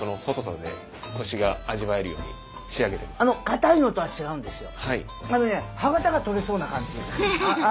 硬いのとは違うんですよ。